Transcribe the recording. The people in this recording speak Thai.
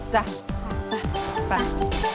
จ๊ะไปไป